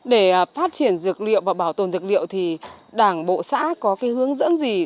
để phát triển dược liệu và bảo tồn dược liệu thì đảng bộ xã có cái hướng dẫn gì